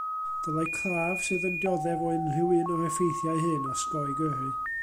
Dylai claf sydd yn dioddef o unrhyw un o'r effeithiau hyn osgoi gyrru.